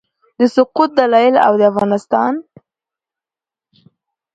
د سقوط دلایل او د افغانستان